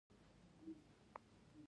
خبرونه او اوسنۍ چارې